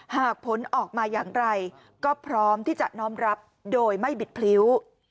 ผลออกมาอย่างไรก็พร้อมที่จะน้อมรับโดยไม่บิดพลิ้ว